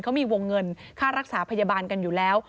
เขามีวงเงินค่ารักษาพยาบาลกันอยู่แล้ว